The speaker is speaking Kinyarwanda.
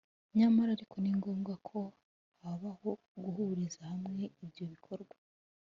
nyamara ariko ni ngombwa ko habaho guhuriza hamwe ibyo bikorwa